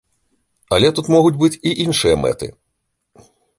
Але тут могуць быць і іншыя мэты.